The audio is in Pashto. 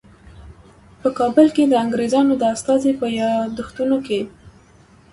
په کابل کې د انګریزانو د استازي په یادښتونو کې.